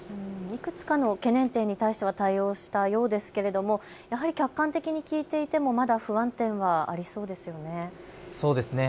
いくつかの懸念点に対しては対応したようですけれどもやはり客観的に聞いていてもまだ不安点はありそうですよね。